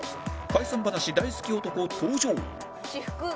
「解散話大好き男」